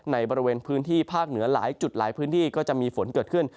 ในบริเวณพื้นที่ภาคเหนือหลายจุดหลายพื้นที่ก็จะมีฝนเกิดขึ้น